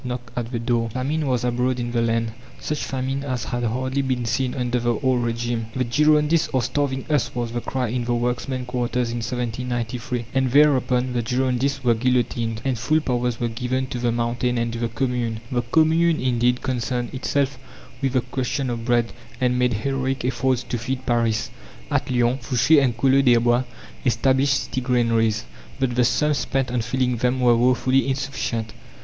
Want knocked at the door. Famine was abroad in the land such famine as had hardly been seen under the old regime. "The Girondists are starving us!" was the cry in the workmen's quarters in 1793, and thereupon the Girondists were guillotined, and full powers were given to "the Mountain" and to the Commune. The Commune indeed concerned itself with the question of bread, and made heroic efforts to feed Paris. At Lyons, Fouché and Collot d'Herbois established city granaries, but the sums spent on filling them were woefully insufficient.